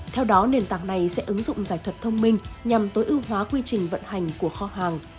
theo đó nền tảng này sẽ ứng dụng giải thuật thông minh nhằm tối ưu hóa quy trình vận hành của kho hàng